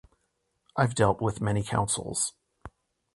I've dealt with many councils